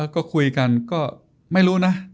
ก็คุยกันก็ไม่รู้นะ